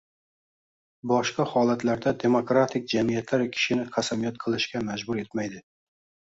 Boshqa holatlarda demokratik jamiyatlar kishini qasamyod qilishga majbur etmaydi.